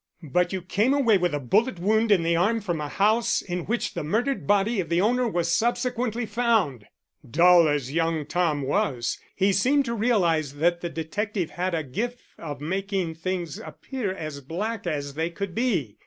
But you came away with a bullet wound in the arm from a house in which the murdered body of the owner was subsequently found." Dull as young Tom was, he seemed to realize that the detective had a gift of making things appear as black as they could be.